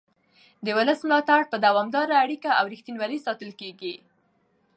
د ولس ملاتړ په دوامداره اړیکه او رښتینولۍ ساتل کېږي